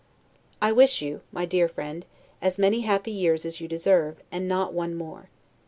I wish you, my dear friend, as many happy new years as you deserve, and not one more.